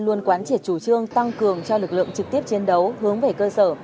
luôn quán triệt chủ trương tăng cường cho lực lượng trực tiếp chiến đấu hướng về cơ sở